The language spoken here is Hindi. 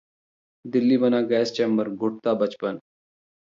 दिल्ली बना गैस चैम्बर, घुटता बचपन